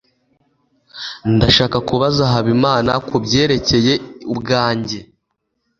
ndashaka kubaza habimana kubyerekeye ubwanjye